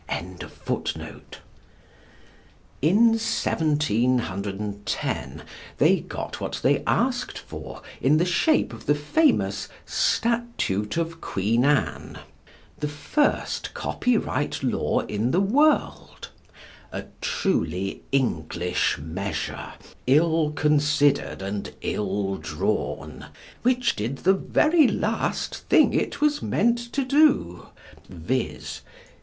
] In 1710 they got what they asked for in the shape of the famous Statute of Queen Anne, the first copyright law in the world. A truly English measure, ill considered and ill drawn, which did the very last thing it was meant to do viz.